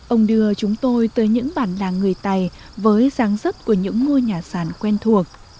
ông đưa chúng tôi tới những bản năng người tày với sáng sức của những ngôi nhà sản quen thuộc